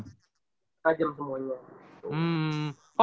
satu setengah jam semuanya